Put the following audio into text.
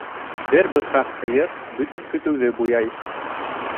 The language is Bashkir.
Бер бысраҡ һыйыр бөтөн көтөүҙе буяй.